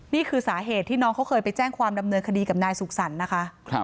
นี่คือสาเหตุที่น้องเขาเคยไปแจ้งความดำเนินคดีกับนายสุขสรรค์นะคะ